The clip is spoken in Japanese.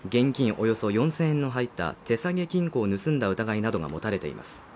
およそ４０００円の入った手提げ金庫を盗んだ疑いなどが持たれています